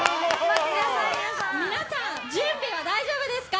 皆さん、準備は大丈夫ですか？